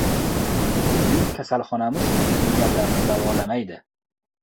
Bizning kasalxonamiz kuyganlarni davolamaydi.